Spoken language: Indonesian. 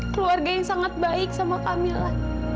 keluarga yang sangat baik sama kamila